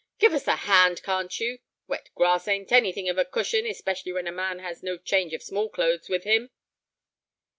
Give us a hand, can't you? Wet grass ain't anything of a cushion, especially when a man has no change of small clothes with him."